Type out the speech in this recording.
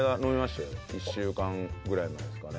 １週間ぐらい前っすかね。